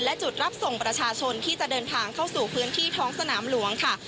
และจุดรับส่งประชาชนที่จะเดินทางเข้าสู่พื้นที่ท้องสนามหลวงค่ะ